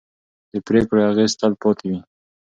د پرېکړو اغېز تل پاتې وي